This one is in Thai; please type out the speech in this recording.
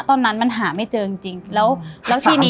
ตอนนั้นมันหาไม่เจอจริงแล้วแล้วทีนี้